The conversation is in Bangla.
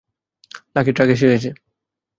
লাকি, ট্রাক এসে গেছে!